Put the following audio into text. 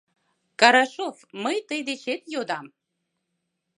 Карашов, мый тый дечет йодам.